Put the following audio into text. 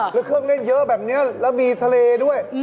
แล้วเครื่องเล่นเยอะแบบนี้แล้วมีทะเลด้วย